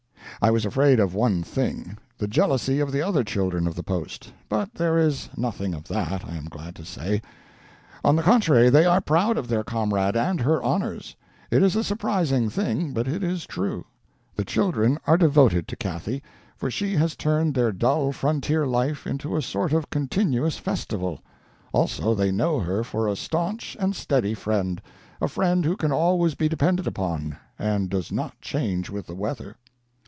I was afraid of one thing—the jealousy of the other children of the post; but there is nothing of that, I am glad to say. On the contrary, they are proud of their comrade and her honors. It is a surprising thing, but it is true. The children are devoted to Cathy, for she has turned their dull frontier life into a sort of continuous festival; also they know her for a stanch and steady friend, a friend who can always be depended upon, and does not change with the weather.